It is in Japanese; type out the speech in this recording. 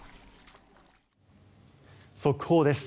速報です。